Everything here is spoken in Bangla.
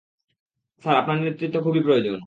স্যার, আপনার নেতৃত্ব খুবই প্রয়োজন।